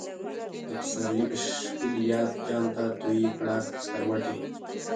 د پسرلی په شکلی یاد، جام ته تویی کړه سکروټی